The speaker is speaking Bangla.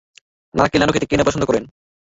নারকেলের নাড়ু খেতে কে না পছন্দ করেন।